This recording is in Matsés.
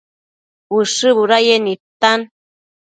Ushë budayec nidtan